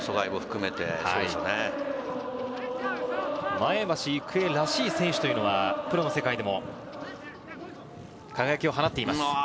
前橋育英らしい選手というのはプロの世界でも輝きを放っています。